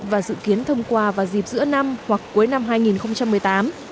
và dự kiến thông qua vào dịp giữa năm hoặc cuối năm hai nghìn một mươi tám